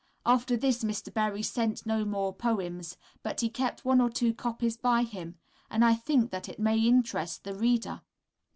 After this Mr. Berry sent no more poems, but he kept one or two copies by him, and I think that it may interest the reader.